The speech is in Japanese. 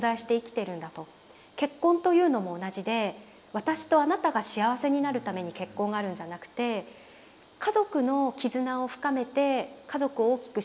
結婚というのも同じで私とあなたが幸せになるために結婚があるんじゃなくて家族の絆を深めて家族を大きくしていくための結婚なんだと。